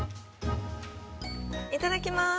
◆いただきます。